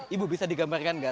ibu bisa digambarkan tidak